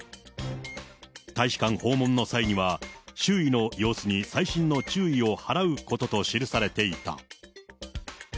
大使館訪問の際には、周囲の様子に細心の注意を払うことと記されていた。